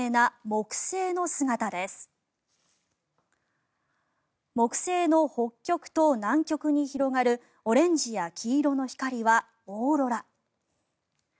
木星の北極と南極に広がるオレンジや黄色の光はオーロラ。